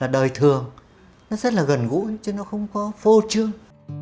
nó không có phô trương